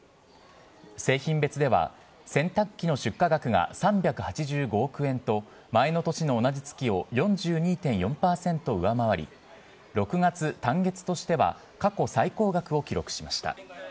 製品別では、洗濯機の出荷額が３８５億円と、前の年の同じ月を４２．４％上回り、６月単月としては過去最高額を記録しました。